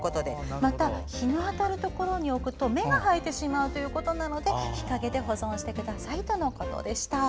また、日の当たるところに置くと芽が生えてしまうということで日陰で保存してくださいとのことでした。